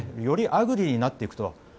よりアグリーになっていくと。